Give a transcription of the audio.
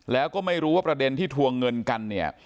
แล้วก็ไม่รู้ว่าประเด็นที่ทวงเงินกันเนี่ย